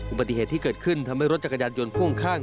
อุบัติเหตุที่เกิดขึ้นทำให้รถจักรยานยนต์พ่วงข้าง